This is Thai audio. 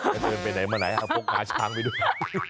จะเดินไปไหนมาไหนพกงาช้างไปด้วย